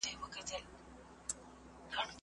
دلته ډېرو لویو شاعرانو او لیکوالانو ژوند کړی دی.